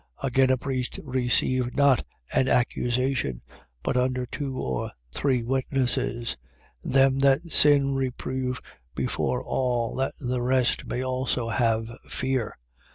Against a priest receive not an accusation, but under two or three witnesses. 5:20. Them that sin reprove before all that the rest also may have fear.